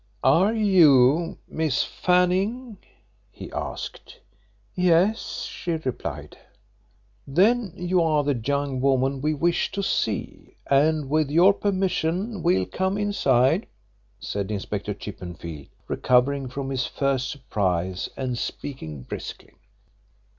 "Are you Miss Fanning?" he asked. "Yes," she replied. "Then you are the young woman we wish to see, and, with your permission, we'll come inside," said Inspector Chippenfield, recovering from his first surprise and speaking briskly.